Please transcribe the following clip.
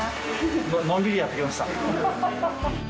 のんびりやってきました。